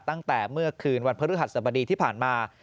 ตั้งแต่เมื่อคืนวันพฤหัสสบดีที่ผ่านมา